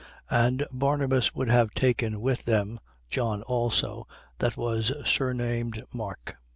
15:37. And Barnabas would have taken with them John also, that was surnamed Mark.